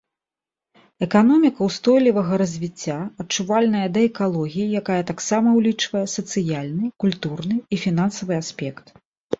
Эканоміка ўстойлівага развіцця, адчувальная да экалогіі, якая таксама ўлічвае сацыяльны, культурны і фінансавы аспект.